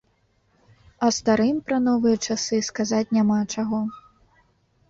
А старым пра новыя часы сказаць няма чаго.